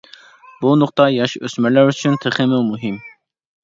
بۇ نۇقتا ياش-ئۆسمۈرلەر ئۈچۈن تېخىمۇ مۇھىم.